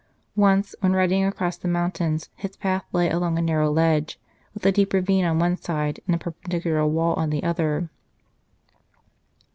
Once, when riding across the mountains, his path lay along a narrow ledge, with a deep ravine on one side and a perpendicular wall on the other.